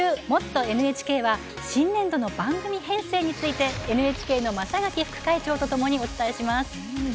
「もっとＮＨＫ」は新年度の番組編成についてＮＨＫの正籬副会長とともにお伝えします。